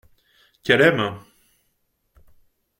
Qu’elle aime.